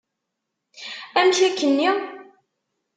Amek akken-nni?